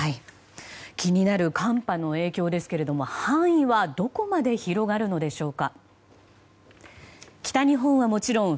気になる寒波の影響ですけども範囲はどこまで広がるのでしょうか。